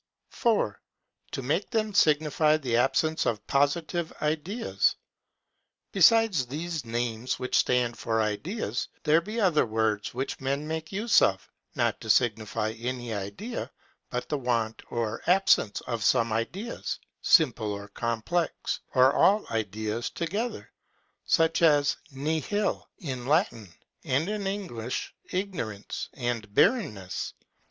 ] 4. To make them signify the absence of positive Ideas. Besides these names which stand for ideas, there be other words which men make use of, not to signify any idea, but the want or absence of some ideas, simple or complex, or all ideas together; such as are NIHIL in Latin, and in English, IGNORANCE and BARRENNESS.